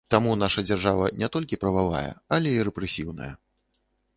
Таму наша дзяржава не толькі прававая, але і рэпрэсіўная.